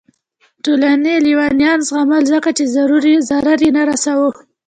ټولنې لیونیان زغمل ځکه چې ضرر یې نه رسوه.